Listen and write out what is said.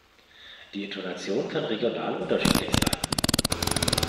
Die Intonation kann regional unterschiedlich sein.